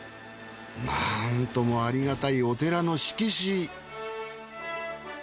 なんともありがたいお寺の色紙。